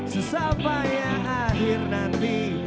sesampainya akhir nanti